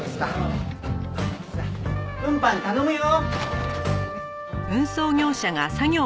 さあ運搬頼むよ。